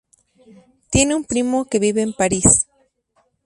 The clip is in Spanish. Tiene un primo que vive en París.